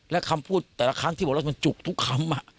และคำพูดแต่ละครั้งที่บอกว่ามันจุกทุกคำ